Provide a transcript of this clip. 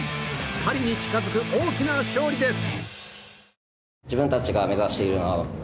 パリに近づく大きな勝利です。